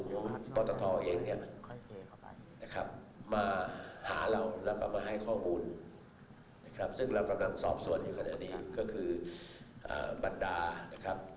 ความความความความความความความความความความความความความความความความความความความความความความความความความความความความ